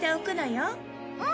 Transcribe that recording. うん！